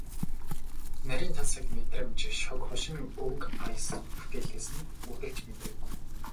Нарийн тансаг мэдрэмж, шог хошин өнгө аяс бүтээлээс нь үргэлж мэдрэгдэнэ.